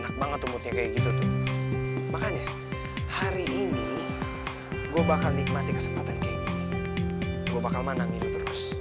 kok berani aja kok siapa takut